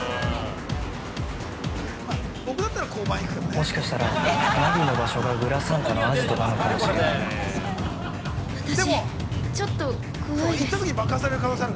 もしかしたらナビの場所がグラサンタのアジトなのかもしれないな。